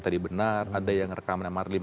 tadi benar ada yang rekaman yang marlim